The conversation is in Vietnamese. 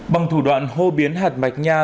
bằng thủ đoạn hô biến hạt mạch nha